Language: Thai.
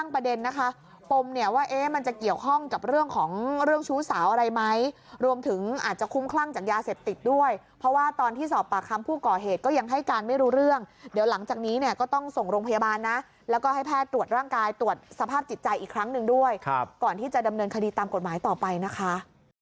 ประเด็นนะคะปมเนี่ยว่ามันจะเกี่ยวข้องกับเรื่องของเรื่องชู้สาวอะไรไหมรวมถึงอาจจะคุ้มคลั่งจากยาเสพติดด้วยเพราะว่าตอนที่สอบปากคำผู้ก่อเหตุก็ยังให้การไม่รู้เรื่องเดี๋ยวหลังจากนี้เนี่ยก็ต้องส่งโรงพยาบาลนะแล้วก็ให้แพทย์ตรวจร่างกายตรวจสภาพจิตใจอีกครั้งหนึ่งด้วยก่อนที่จะดำเนินคดีตามกฎหมายต่อไปนะคะ